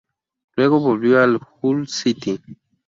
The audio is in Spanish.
Luego volvió al Hull City.